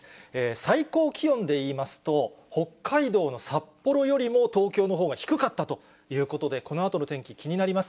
最高気温でいいますと、北海道の札幌よりも、東京のほうが低かったということで、このあとの天気、気になります。